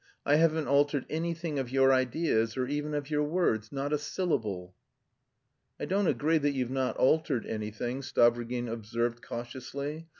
I haven't altered anything of your ideas or even of your words, not a syllable." "I don't agree that you've not altered anything," Stavrogin observed cautiously.